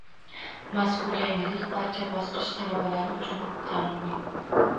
Mazkur yangilik barcha bosqich talabalari uchun taalluqli.